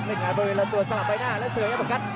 เล่นงานบริเวลาตัวสลับไปหน้าแล้วเสื่อยังประกัด